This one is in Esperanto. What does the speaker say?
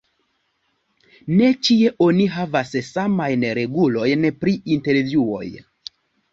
Ne ĉie oni havas samajn regulojn pri intervjuoj.